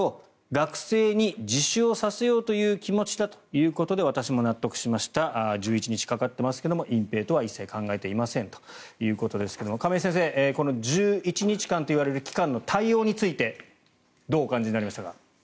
学生に自首をさせようという気持ちだということで私も納得しました１１日かかってますが隠ぺいとは一切考えていませんということですが亀井先生１１日間といわれる期間の対応についてどうお感じになりましたか。